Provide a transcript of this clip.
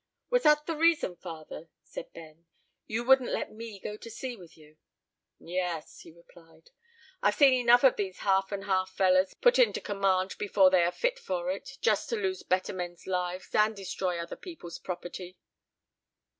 "Was that the reason, father," said Ben, "you wouldn't let me go to sea with you?" "Yes," he replied. "I've seen enough of these half and half fellers put in to command before they are fit for it, just to lose better men's lives, and destroy other people's property."